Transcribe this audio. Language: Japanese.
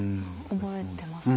覚えてますね。